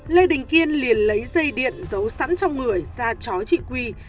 lê đình kiên liền lấy dây điện giấu sẵn trong người ra chó trị quy